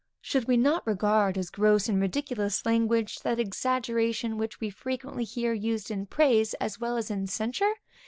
Should we not regard as gross and ridiculous language, that exaggeration which we frequently hear used in praise as well as in censure?